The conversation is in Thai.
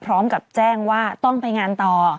พร้อมกับแจ้งว่าต้องไปงานต่อ